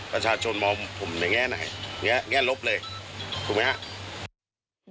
ประชาชนมองผมในแง่ไหนแง่ลบเลยถูกไหมครับ